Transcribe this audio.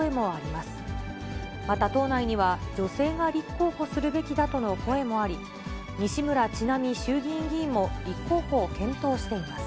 また党内には、女性が立候補するべきだとの声もあり、西村智奈美衆議院議員も立候補を検討しています。